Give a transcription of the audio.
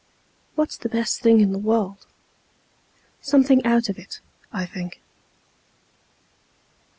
What's the best thing in the world? Something out of it, I think.